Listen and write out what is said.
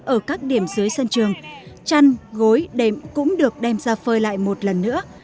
ở các điểm dưới sân trường chăn gối đệm cũng được đem ra phơi lại một lần nữa